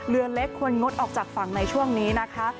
เรือเล็กควรงดออกจากฝั่งในช่วงนี้นะคะ